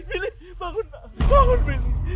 pilih pilih pilih bangun pak